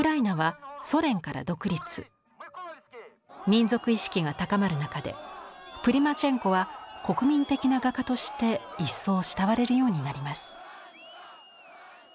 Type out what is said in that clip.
民族意識が高まる中でプリマチェンコは国民的な画家として一層慕われるようになります。